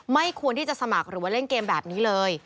ไม่ควรที่จะสมัครหรือว่าเล่นเกมแบบนี้เลย